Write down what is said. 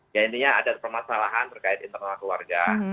ya intinya ada permasalahan terkait internal keluarga